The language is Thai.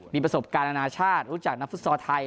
มีประสบการณ์อนาชาติรู้จักนักฟุตซอลไทย